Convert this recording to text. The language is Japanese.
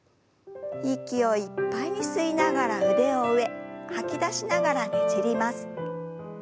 息をいっぱいに吸いながら腕を上吐き出しながらねじります。